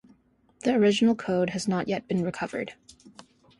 The original code has not yet been recovered.